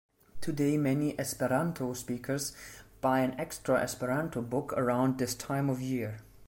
Today, many Esperanto speakers buy an extra Esperanto book around this time of year.